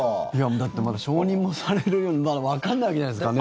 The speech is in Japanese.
だってまだ承認もされるようにまだわからないわけじゃないですかね。